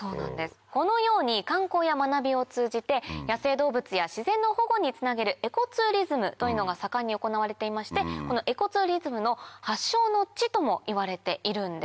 このように観光や学びを通じて野生動物や自然の保護につなげるエコツーリズムというのが盛んに行われていましてこのエコツーリズムの発祥の地ともいわれているんです。